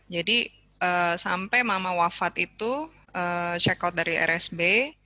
jadi sampai mama wafat itu check out dari rsb